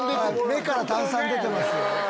目から炭酸出てますよね。